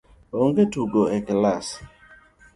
Onge tugo e kilas